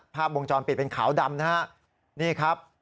ภาพวงจรปิดเป็นขาวดำ